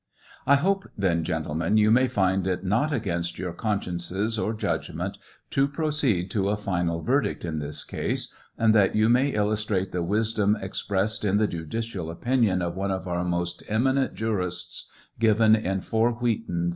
I hope then, gentlemen, you may find it not against your consciences or judgment to proceed to a final verdict in this case, and that you may illustrate the wisdom expressed in the judicial opinion of one of our most eminent jurists, given in 4 Wheaton, 316.